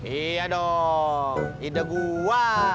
iya dong indah gua